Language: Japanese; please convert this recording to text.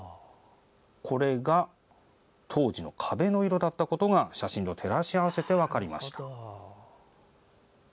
これが当時の壁の色だったことが写真と照らし合わせて分かりました。